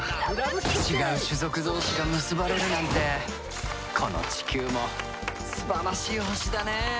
違う種族同士が結ばれるなんてこの地球も素晴らしい星だね。